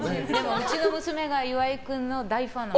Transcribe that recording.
うちの娘が岩井君の大ファンなの。